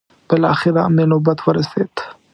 بلاخره مې نوبت ورسېد.